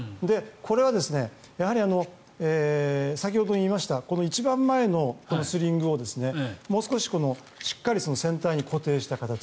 これは先ほど言いました一番前のスリングをもう少ししっかり船体に固定した形。